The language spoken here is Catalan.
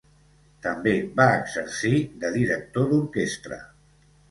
També va exercir de director d'orquestra.